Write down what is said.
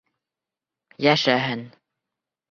Йәшәһен.